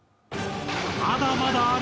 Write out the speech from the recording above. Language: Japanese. まだまだある！